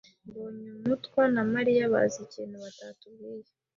Mbonyemutwa na Mariya bazi ikintu batatubwiye.